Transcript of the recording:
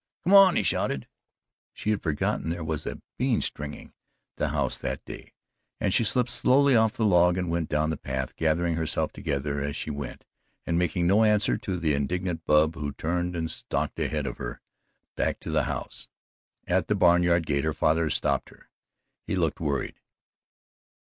"Come on," he shouted. She had forgotten there was a "bean stringing" at the house that day and she slipped slowly off the log and went down the path, gathering herself together as she went, and making no answer to the indignant Bub who turned and stalked ahead of her back to the house. At the barnyard gate her father stopped her he looked worried.